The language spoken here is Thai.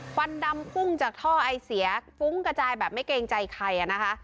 ควันดำพุ่งจากท่อไอเสียฟุ้งกระจายแบบไม่เกรงใจใครนะคะ